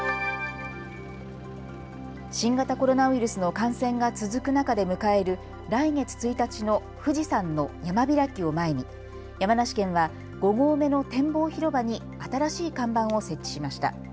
新型コロナウイルスの感染が続く中で迎える来月１日の富士山の山開きを前に山梨県は５合目の展望広場に新しい看板を設置しました。